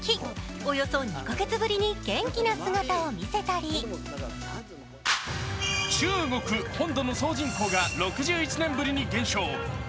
およそ２か月ぶりに元気な姿を見せたり中国本土の総人口が６１年ぶりに減少。